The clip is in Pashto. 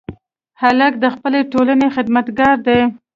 هلک د خپلې ټولنې خدمتګار دی.